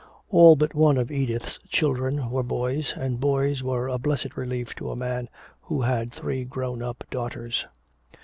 All but one of Edith's children were boys, and boys were a blessed relief to a man who had three grown up daughters.